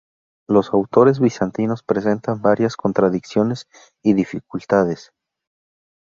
Los autores bizantinos presentan varias contradicciones y dificultades.